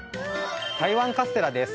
台湾カステラです。